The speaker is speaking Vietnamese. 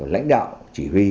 lãnh đạo chỉ huy